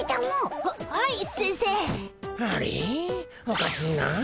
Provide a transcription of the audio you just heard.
おかしいなあ。